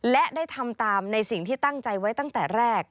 และได้ทำตามในสิ่งที่ตั้งใจไว้ตั้งแต่แรก